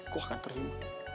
gue akan terima